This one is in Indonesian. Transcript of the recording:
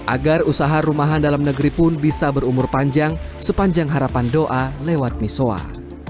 agar usaha rumahan dalam negeri pun bisa berumur panjang sepanjang harapan doa lewat misoa